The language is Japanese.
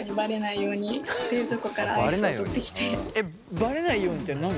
ばれないようにって何で？